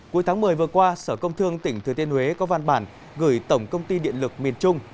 cuối tháng một mươi vừa qua sở công thương tỉnh thừa tiên huế có văn bản gửi tổng công ty điện lực miền trung